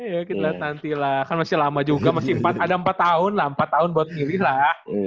iya kita lihat nantilah kan masih lama juga masih empat ada empat tahun lah empat tahun buat ngilir lah